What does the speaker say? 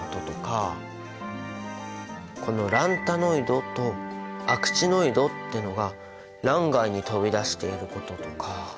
このランタノイドとアクチノイドっていうのが欄外に飛び出していることとか。